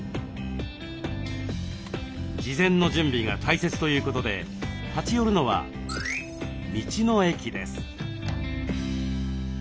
事前の準備が大切ということで立ち寄るのは「道の駅」です。